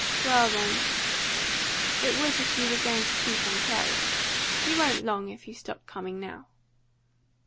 "Well, then, it would if you were going to keep on caring. You won't long, if you stop coming now."